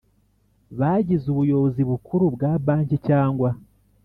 Bagize ubuyobozi bukuru bwa banki cyangwa